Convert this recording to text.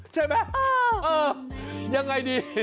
ใช่ไหมเออยังไงดี